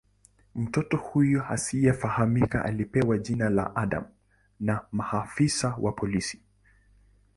Mtoto huyu asiyefahamika alipewa jina la "Adam" na maafisa wa polisi.